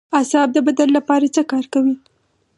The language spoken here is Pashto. اعصاب د بدن لپاره څه کار کوي